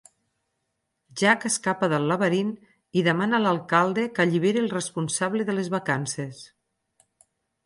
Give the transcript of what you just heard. Jack escapa del laberint i demana a l"alcalde que alliberi els responsables de les vacances.